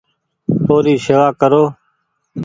او ري شيوا ڪرو ۔